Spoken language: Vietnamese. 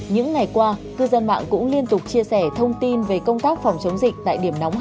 những ngày qua cư dân mạng cũng liên tục chia sẻ thông tin về công tác phòng chống dịch tại điểm nóng hai